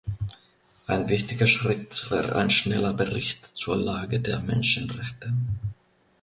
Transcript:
Ein wichtiger Schritt wäre ein schneller Bericht zur Lage der Menschenrechte.